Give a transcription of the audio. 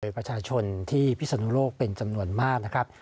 โดยประชาชนที่พิศนุโลกเป็นจำนวนมากนะครับ